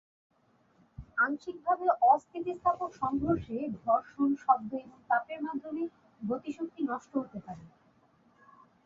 আংশিকভাবে অস্থিতিস্থাপক সংঘর্ষে, ঘর্ষণ, শব্দ এবং তাপের মাধ্যমে গতিশক্তি নষ্ট হতে পারে।